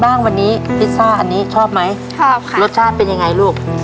งวันนี้พิซซ่าอันนี้ชอบไหมชอบค่ะรสชาติเป็นยังไงลูก